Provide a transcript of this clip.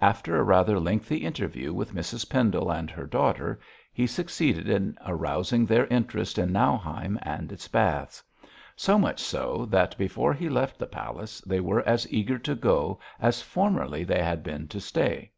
After a rather lengthy interview with Mrs Pendle and her daughter, he succeeded in arousing their interest in Nauheim and its baths: so much so, that before he left the palace they were as eager to go as formerly they had been to stay.